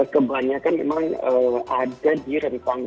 kebanyakan memang ada di rentang delapan belas sembilan belas